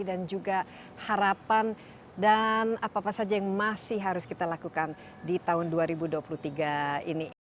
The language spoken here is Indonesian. dan juga harapan dan apa saja yang masih harus kita lakukan di tahun dua ribu dua puluh tiga ini